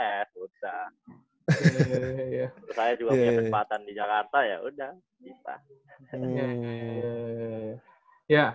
saya juga punya kesempatan di jakarta yaudah